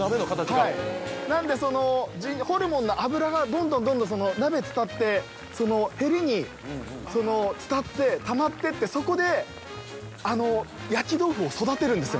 はいなのでホルモンの脂がどんどんどんどん鍋伝ってへりに伝ってたまってってそこで焼き豆腐を育てるんですよね。